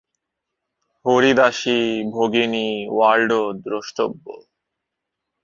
হরিদাসী, ভগিনী ওয়াল্ডো দ্রষ্টব্য।